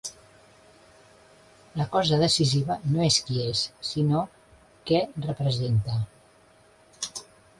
La cosa decisiva no és qui és, sinó què representa.